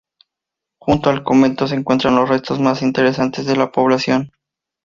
Junto al convento se encuentran los restos más interesantes de la población.